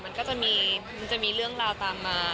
มันก็จะมีมันจะมีเรื่องราวตามมา